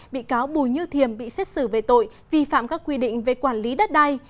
bị cáo bùi như thiềm bị xét xử về tội vi phạm các quy định về quản lý đất đai